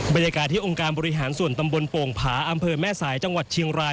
บรรยากาศที่องค์การบริหารส่วนตำบลโป่งผาอำเภอแม่สายจังหวัดเชียงราย